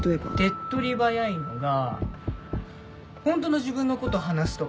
手っ取り早いのがホントの自分のこと話すとか。